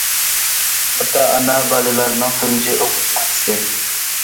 ئاتا- ئانا بالىلارنىڭ تۇنجى ئوقۇتقۇچىسى.